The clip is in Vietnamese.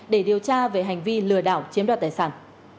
để điều tra về hành vi lừa đảo chiếm đoạt tài sản